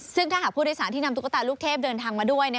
ซึ่งถ้าหากผู้โดยสารที่นำตุ๊กตาลูกเทพเดินทางมาด้วย